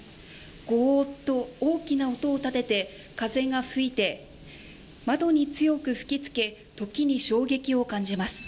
ゴーと大きな音を立てて風が吹いて窓に強く吹きつけ時に衝撃を感じます。